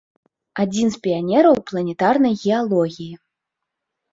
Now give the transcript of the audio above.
Адзін з піянераў планетарнай геалогіі.